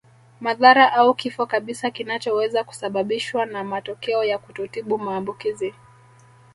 Madhara au kifo kabisa kinachoweza kusababishwa na matokeo ya kutotibu maambukizi